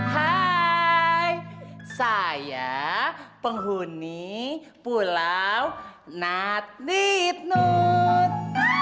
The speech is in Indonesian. hai saya penghuni pulau natnitnut